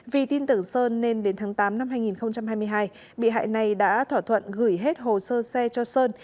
vì tin tưởng sơn nên đến tháng tám năm hai nghìn hai mươi hai bị hại này đã thỏa thuận gửi hết hồ sơ xe cho sơn